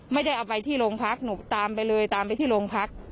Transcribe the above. ไม่ได้เอาไปที่โรงพักหนูตามไปเลยตามไปที่โรงพัก